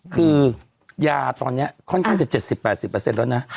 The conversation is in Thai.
คือยาตอนนี้ค่อนข้างจะ๗๐๘๐แล้วนะ